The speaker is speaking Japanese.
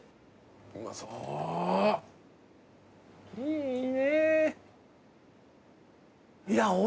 うまそういいねえ